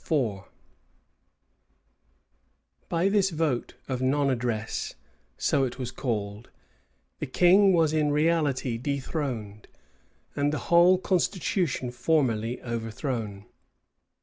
[] By this vote of non addresses, so it was called, the king was in reality dethroned, and the whole constitution formally overthrown.